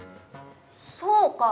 そうか。